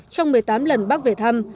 trong một mươi tám lần bắc về thăm